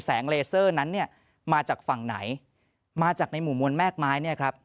เลเซอร์นั้นเนี่ยมาจากฝั่งไหนมาจากในหมู่มวลแม่กไม้เนี่ยครับ